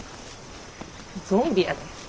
ゾンビやで。